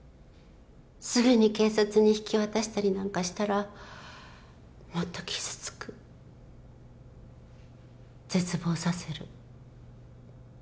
すぐに警察に引き渡したりなんかしたらもっと傷つく絶望させる